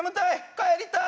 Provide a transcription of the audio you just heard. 帰りたい！」。